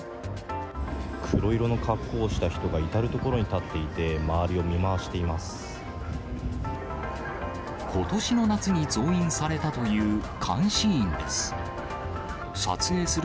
黒色の格好をした人が至る所に立っていて、ことしの夏に増員されたという監視員です。